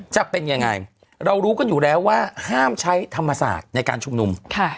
จะเป็นยังไงเรารู้กันอยู่แล้วว่าห้ามใช้ธรรมศาสตร์ในการชุมนุม